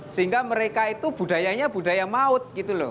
sehingga mereka itu budayanya budaya maut gitu loh